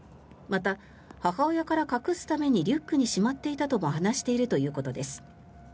また、母親から隠すためにリュックにしまっていたとも話しているということです。